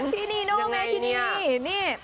พี่นิโนแหมที่นี่เนี่ยนี่